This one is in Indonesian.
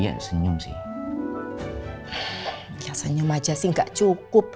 aku mikir aku dimasukin a